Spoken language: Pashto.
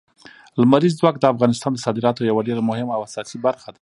لمریز ځواک د افغانستان د صادراتو یوه ډېره مهمه او اساسي برخه ده.